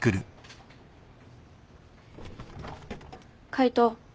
海斗。